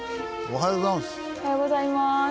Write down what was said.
おはようございます。